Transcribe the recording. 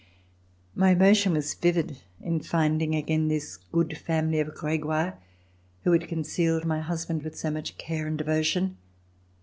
My emotion was vivid in finding again this good family of Gregoire who had concealed my husband with so much care and devotion.